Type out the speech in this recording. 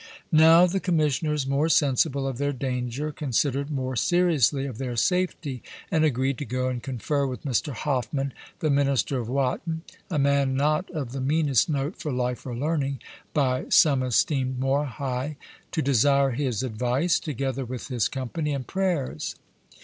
Now the Commissioners, more sensible of their danger, considered more seriously of their safety, and agreed to go and confer with Mr. Hoffman, the minister of Wotton, (a man not of the meanest note for life or learning, by some esteemed more high,) to desire his advice, together with his company and prayers.